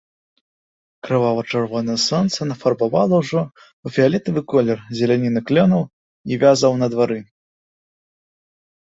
Крывава-чырвонае сонца нафарбавала ўжо ў фіялетавы колер зеляніну клёнаў і вязаў на двары.